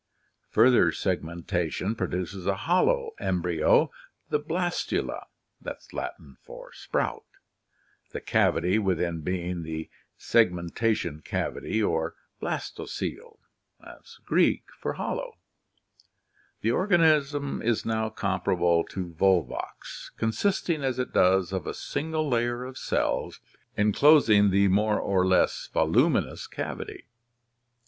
Further segmentation produces a hollow embryo, the blastula (dim. of Gr. fikcurnk, sprout), the cavity within being the segmentation cavity or blastocoele (Gr. tcolXos, hollow). The organism is now comparable to Volvox, consisting as it does of a single layer of cells enclosing the more or less voluminous cavity.